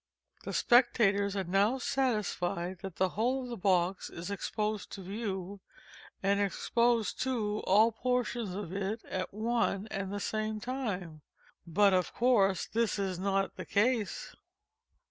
The spectators are now satisfied that the whole of the box is exposed to view—and exposed too, all portions of it at one and the same time. But of course this is not the case.